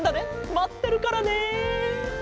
まってるからね。